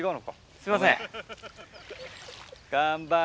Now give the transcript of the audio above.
すいません。